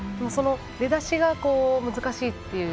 出だしが難しいっていう。